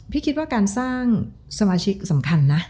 คิดว่าการสร้างสมาชิกสำคัญนะ